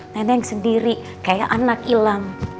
nenek sendiri kayak anak hilang